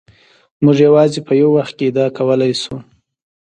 موږ یوازې په یو وخت کې ادعا کولای شو.